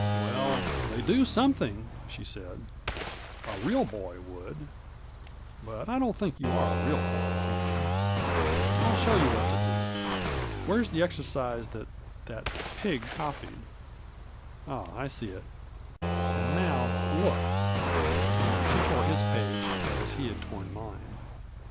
" Well, they do something. !" she said ;" a real boy would. But I don't think you are a real boy, Cameron. ril show you what to do. Where's the exercise that — Digitized by VjOOQIC U MABjrOBT. that jpig copied ? Ah 1 I see it. And now — ^look 1 ^ (Here she tore his page as he had torn mine.)